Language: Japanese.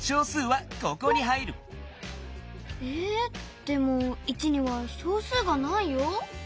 でも１には小数がないよ。